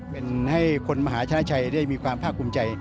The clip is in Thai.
เป็นให้คนมหาชนะชัยได้มีความภาคภูมิใจ